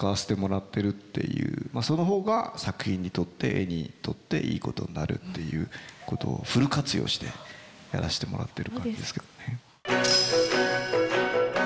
その方が作品にとってＡＤにとっていいことになるっていうことをフル活用してやらしてもらってる感じですかね。